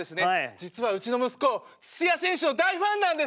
実はうちの息子土谷選手の大ファンなんです！